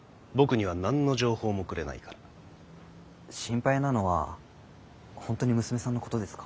心配なのは本当に娘さんのことですか？